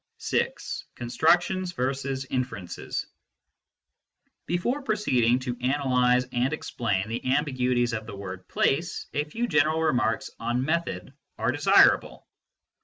VI. CONSTRUCTIONS VERSUS INFERENCES Before proceeding to analyse and explain the am biguities of the word " place," a few general remarks on method are desirable.